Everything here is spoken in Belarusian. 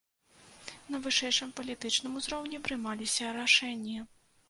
На вышэйшым палітычным узроўні прымаліся рашэнні.